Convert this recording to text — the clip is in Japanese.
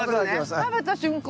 食べた瞬間